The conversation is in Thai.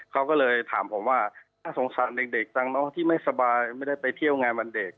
เขาก็เลยถามผมว่าสงสารเด็กจังเนอะที่ไม่สบายไม่ได้ไปเที่ยวงานวันเด็ก